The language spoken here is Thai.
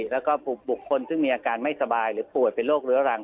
แล้วก็บุคคลซึ่งมีอาการไม่สบายหรือป่วยเป็นโรคเรื้อรัง